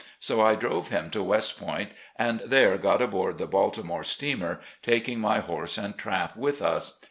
So I drove him to West Point, and there got aboard the Baltimoie steamer, taking my horse and trap with iis.